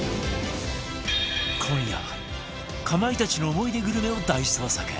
今夜はかまいたちの思い出グルメを大捜索！